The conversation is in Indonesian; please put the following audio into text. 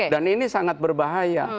dan ini sangat berbahaya